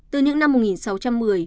từ những năm một nghìn sáu trăm một mươi